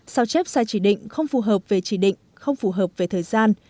sao chép sai chỉ định không phù hợp về chỉ định không phù hợp về thời gian